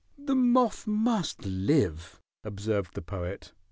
"The moth must live," observed the Poet.